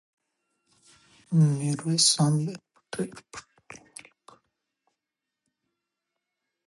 میرویس خان باید په ډېر پټ ډول عمل کړی وی.